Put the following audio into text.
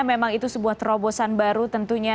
memang itu sebuah terobosan baru tentunya